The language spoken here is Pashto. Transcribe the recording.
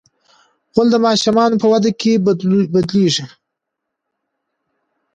غول د ماشومانو په وده کې بدلېږي.